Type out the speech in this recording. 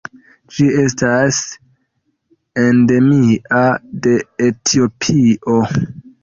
Ĝi estas endemia de Etiopio.